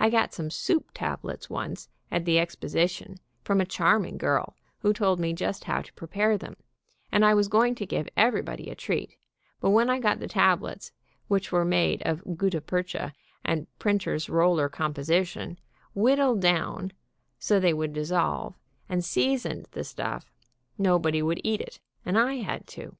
I got some soup tablets once at the Exposition, from a charming girl, who told me just how to prepare them, and I was going to give everybody a treat, but when I got the tablets, which were made of gutta percha and printer's roller composition, whittled down so they would dissolve, and seasoned the stuff, nobody would eat it, and I had to.